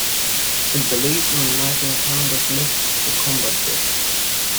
It believed in uniting Canada's left to combat this.